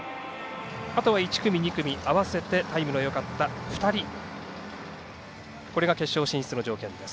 あとは１組、２組合わせてタイムのよかった２人これが決勝進出の条件です。